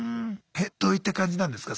えどういった感じなんですか